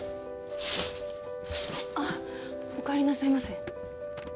あっおかえりなさいませ。